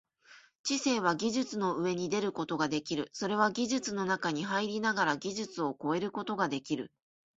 知性は技術の上に出ることができる、それは技術の中に入りながら技術を超えることができる。